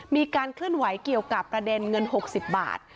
มีการเคลื่อนไหวเกี่ยวกับประเด็นเงิน๖๐บาท